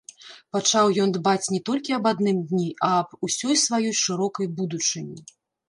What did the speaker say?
Пачаў ён дбаць не толькі аб адным дні, а аб усёй сваёй шырокай будучыні.